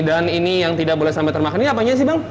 dan ini yang tidak boleh sampai termakan ini apanya sih bang